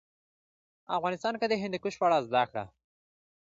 افغانستان کې د هندوکش په اړه زده کړه.